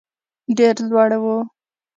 ډېر لوړ وو.